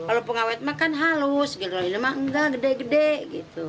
kalau pengawet makan halus gitu mah enggak gede gede gitu